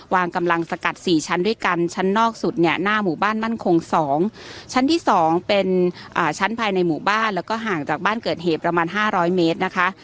วางกำลังสกัด๔ชั้นด้วยกันชั้นนอกสุดเนี่ยหน้าหมู่บ้านมั่นคง๒ชั้นที่๒เป็นชั้นภายในหมู่บ้านแล้วก็ห่างจากบ้านเกิดเหตุประมาณ๕๐๐เมตรนะคะ